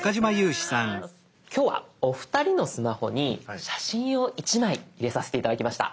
今日はお二人のスマホに写真を１枚入れさせて頂きました。